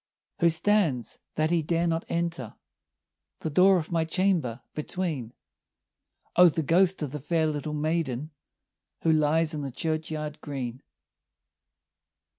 "Who stands, that he dare not enter, The door of my chamber, between?" "O, the ghost of the fair little maiden, Who lies in the churchyard green."